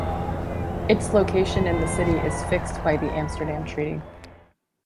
Its location in the city is fixed by the Amsterdam Treaty.